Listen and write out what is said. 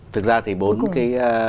thực ra thì bốn cái